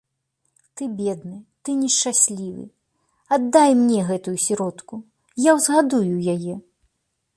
Ты бедны, ты нешчаслівы, аддай мне гэтую сіротку, я ўзгадую яе.